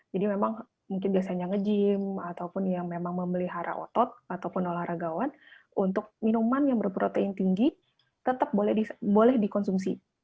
jadi memang mungkin biasanya nge gym ataupun yang memang memelihara otot ataupun olahragawan untuk minuman yang berprotein tinggi tetap boleh dikonsumsi